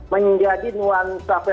menjadi nuansa fair play alam dan kemampuan